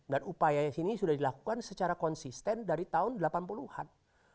dan upaya ini sudah dilakukan secara konsisten dari tahun delapan puluh an